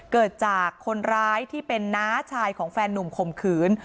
เกิดจากคนร้ายที่เป็นน้าชายของแฟนนุ่มข่มขืน